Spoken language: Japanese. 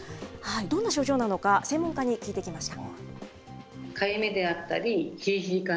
どんな症状なのか、専門家に聞いてきました。